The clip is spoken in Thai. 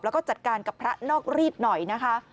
แล้วก็จัดการกับพระนอกรีดหน่อยนะคะ